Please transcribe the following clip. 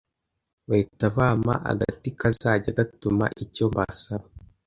bahita bampa agati kazajya gatuma icyo mbasaba